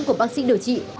của bác sĩ điều trị